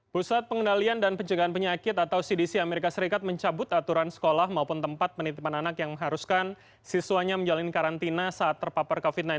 pusat pengendalian dan pencegahan penyakit atau cdc amerika serikat mencabut aturan sekolah maupun tempat penitipan anak yang mengharuskan siswanya menjalani karantina saat terpapar covid sembilan belas